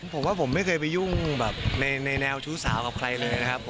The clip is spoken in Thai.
ผมว่าผมไม่เคยไปยุ่งแบบในแนวชู้สาวกับใครเลยนะครับ